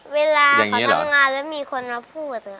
เวลาเขาทำงานแล้วมีคนมาพูด